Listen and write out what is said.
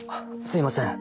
すいません。